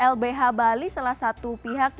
lbh bali salah satu pihak yang mendampingkan